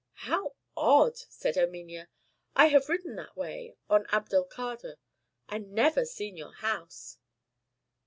"How odd!" said Erminia. "I have ridden that way on Abdel Kadr, and never seen your house."